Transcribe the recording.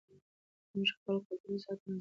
که موږ خپل کلتور وساتو نو عزت به مو پاتې وي.